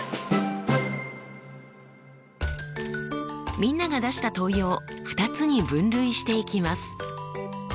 みんなが出した問いを２つに分類していきます。